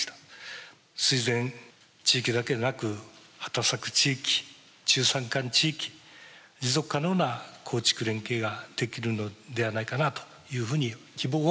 水田地域だけでなく畑作地域中山間地域持続可能な耕畜連携ができるのではないかなというふうに希望を持ちました。